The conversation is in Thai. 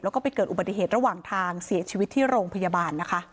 แล้วก็ไปเกิดอุบัติเหตุระหว่างทางเสียชีวิตที่โรงพยาบาลนะคะ